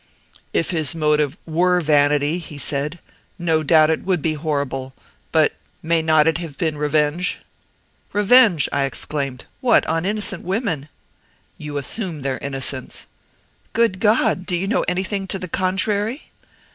"If his motive WERE vanity," he said, "no doubt it would be horrible; but may it not have been revenge?" "Revenge!" I exclaimed; "what! on innocent women?" "You assume their innocence." "Good God! do you know anything to the contrary?"